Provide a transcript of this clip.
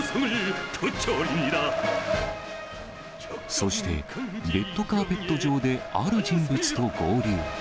そして、レッドカーペット上である人物と合流。